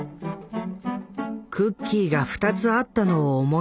「クッキーが２つあったのを思い出すよ